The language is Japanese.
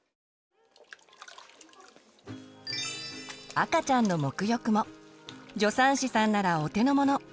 赤ちゃんのもく浴も助産師さんならお手のもの。